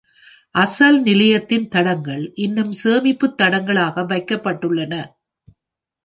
அசல் நிலையத்தின் தடங்கள் இன்னும் சேமிப்புத் தடங்களாக வைக்கப்பட்டுள்ளன.